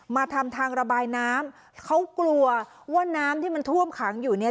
มาทำทางระบายน้ำเขากลัวว่าน้ำที่มันท่วมขังอยู่เนี่ย